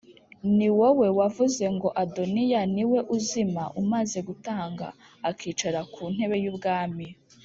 ni wowe wavuze ngo Adoniya ni we uzima umaze gutanga, akicara ku ntebe y’ubwami?